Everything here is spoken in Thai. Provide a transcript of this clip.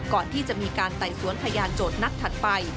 ก่อนที่จะมีการไต่สวนพยานโจทย์นัดถัดไป